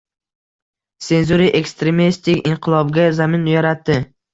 Senzura ekstremistik inqilobga zamin yaratdi.